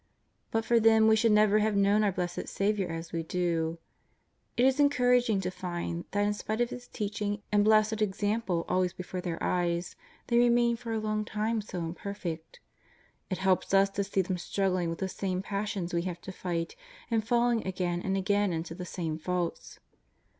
But for them we should never have known our Blessed Saviour as we do. It is encouraging to find that in spite of His teaching and blessed example always be fore their eyes, they remained for a long time so im perfect. It helps us to see them struggling with the same passions we have to fight, and falling again and again into the same faults.